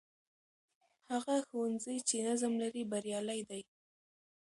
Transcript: هغه ښوونځی چې نظم لري، بریالی دی.